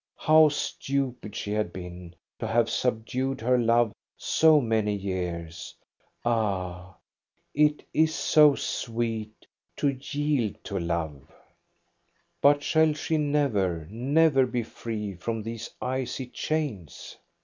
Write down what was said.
How stupid she had been, to have subdued her love so many years. Ah, it is so sweet to yield to love. THE BALL AT EKEBY 105 But shall she never, never be free from these icy chains?